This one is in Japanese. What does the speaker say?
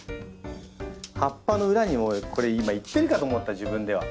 葉っぱの裏にもこれ今いってるかと思った自分では。